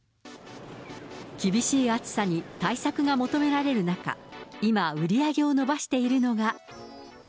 厳しい暑さに対策が求められる中、今売り上げを伸ばしているのが。